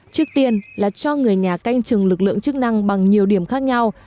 trước tiên là cho người nhà canh chừng lực lượng chức năng bằng nhiều điểm khác nhau